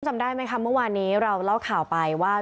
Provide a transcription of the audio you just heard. จำได้ไหมคะเมื่อวานนี้เราเล่าข่าวไปว่า